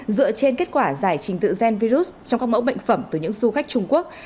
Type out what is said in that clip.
dựa trên kết quả giải trình tự gen virus trong các mẫu bệnh phẩm từ những du khách trung quốc